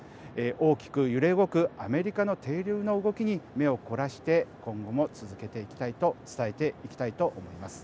大きく揺れ動くアメリカの底流の動きに目を凝らして今後も伝えていきたいと思います。